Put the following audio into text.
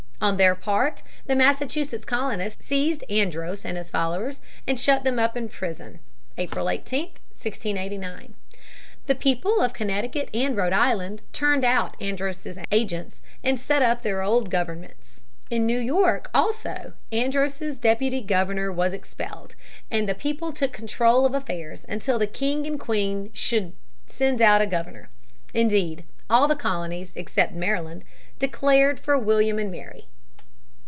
On their part, the Massachusetts colonists seized Andros and his followers and shut them up in prison (April 18, 1689). The people of Connecticut and Rhode Island turned out Andros's agents and set up their old governments. In New York also Andros's deputy governor was expelled, and the people took control of affairs until the king and queen should send out a governor. Indeed, all the colonies, except Maryland, declared for William and Mary.